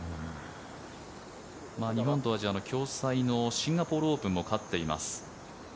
日本とアジア共催のシンガポール・オープンも勝っています。